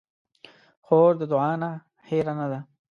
خور د دعا نه هېره نه ده.